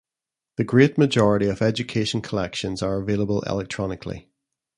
The great majority of education collections are available electronically.